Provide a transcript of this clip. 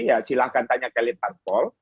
ya silahkan tanya kelly paltol